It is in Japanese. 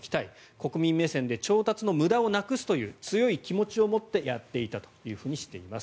国民目線で調達の無駄をなくすという強い気持ちを持ってやっていたというふうにしています。